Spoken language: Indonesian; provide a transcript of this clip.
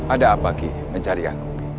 ada apa ki mencari aku